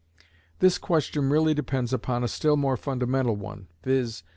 This question really depends upon a still more fundamental one, viz.